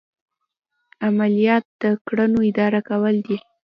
عملیات د کړنو اداره کول دي.